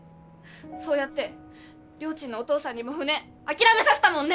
そうやってりょーちんのお父さんにも船諦めさせたもんね！